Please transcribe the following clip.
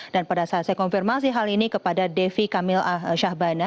dan pada saat saya konfirmasi hal ini kepada devi kamil shahbana